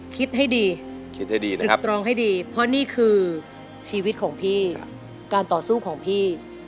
คิดให้ดีตรึกตรองให้ดีเพราะนี่คือชีวิตของพี่การต่อสู้ของพี่